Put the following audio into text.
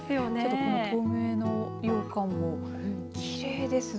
透明のようかんもきれいですね。